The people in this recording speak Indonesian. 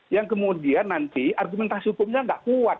yang kemudian nanti argumentasi hukumnya tidak kuat